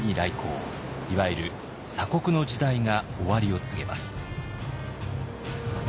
いわゆる鎖国の時代が終わりを告げます。